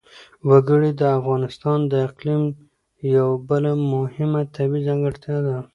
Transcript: وګړي د افغانستان د اقلیم یوه بله مهمه طبیعي ځانګړتیا ده.